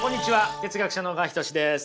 哲学者の小川仁志です。